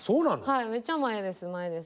はいめっちゃ前です。